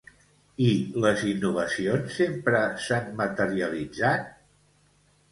I les innovacions sempre s'han materialitzat?